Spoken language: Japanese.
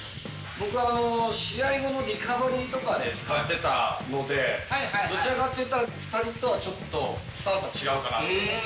僕は、試合後のリカバリーとかで使ってたので、どちらかといったら、２人とはちょっとスタンスが違うかなと思います。